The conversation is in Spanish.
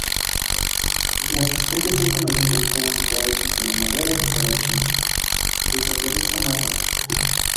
Las especies son conocidas como cucarachas de la madera o cucarachas de caperuza marrón.